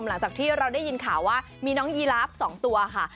หลังจากที่เราได้ยินข่าวว่ามีน้องยีลาฟ๒ตัวค่ะ